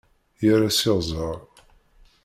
Yerra s iɣẓer.